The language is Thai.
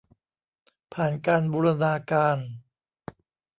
ผ่านการบูรณาการ